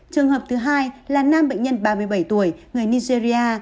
trường hợp thứ hai là nam bệnh nhân ba mươi bảy tuổi người nigeria